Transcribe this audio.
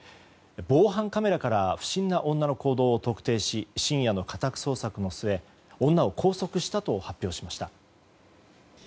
防犯カメラから不審な女の行動を特定し深夜の家宅捜査の末女を拘束したと発表しました。